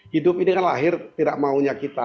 hidup ini kan lahir tidak maunya kita